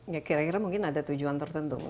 ya kira kira mungkin ada tujuan tertentu